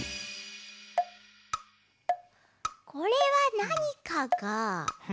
これはなにかが。